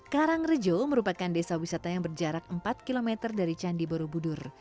karangrejo merupakan desa wisata yang berjarak empat km dari candi borobudur